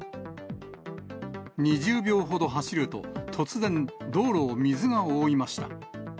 ２０秒ほど走ると、突然、道路を水が覆いました。